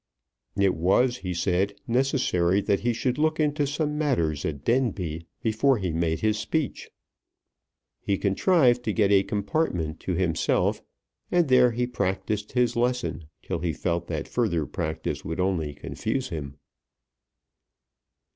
It was, he said, necessary that he should look into some matters at Denbigh before he made his speech. He contrived to get a compartment to himself, and there he practised his lesson till he felt that further practice would only confuse him.